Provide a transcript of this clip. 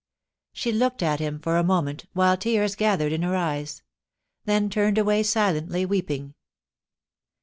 She looked at him for a moment, while tears gathered in her eyes : then turned away silently weeping.